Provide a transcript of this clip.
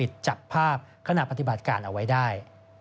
ปิดแบบจับแบบขันาดปฏิบัติการออกไว้ด้วเฉพาะ